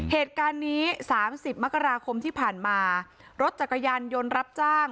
เหตุการณ์นี้สามสิบมกราคมที่ผ่านมารถจักรยานยนต์รับจ้าง